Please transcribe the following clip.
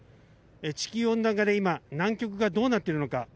地球温暖化で今、南極がどうなっているのか。